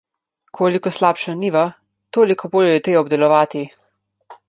Koliko slabša njiva, toliko bolj jo je treba obdelovati.